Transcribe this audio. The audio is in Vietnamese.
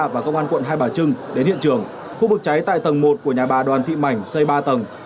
và công an quận hai bà trưng đến hiện trường khu vực cháy tại tầng một của nhà bà đoàn thị mảnh xây ba tầng